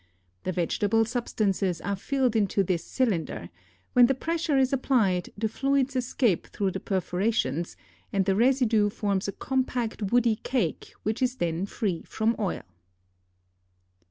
The vegetable substances are filled into this cylinder; when the pressure is applied, the fluids escape through the perforations, and the residue forms a compact woody cake which is then free from oil.